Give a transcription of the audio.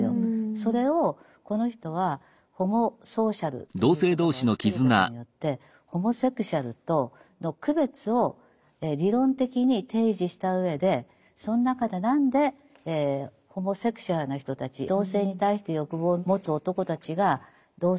それをこの人はホモソーシャルという言葉を作ることによってホモセクシュアルとの区別を理論的に提示したうえでその中で何でホモセクシュアルな人たち同性に対して欲望を持つ男たちが同性の集団から排除されるか。